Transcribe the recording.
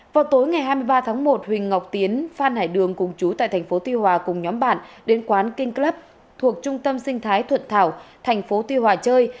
vào tối ngày hai mươi ba tháng một huỳnh ngọc tiến phan hải đường cùng chú tại tp tuy hòa cùng nhóm bạn đến quán king club thuộc trung tâm sinh thái thuận thảo tp tuy hòa chơi